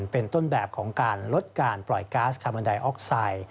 เป็นต้นแบบของการลดการปล่อยก๊าซคาร์บอนไดออกไซด์